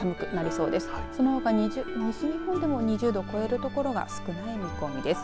そのほか西日本でも２０度を超える所が少ない見込みです。